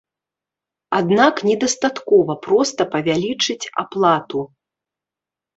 Аднак не дастаткова проста павялічыць аплату.